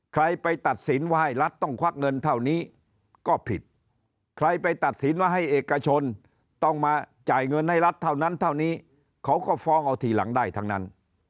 ใครไปตัดสินว่าให้รัฐต้องควักเงินเท่านี้ก็ผิดใครไปตัดสินว่าให้เอกชนต้องมาจ่ายเงินให้รัฐเท่านั้นเท่านี้เขาก็ฟ้องเอาทีหลังได้ทั้งนั้น